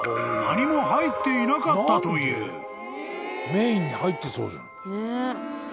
メインに入ってそうじゃん。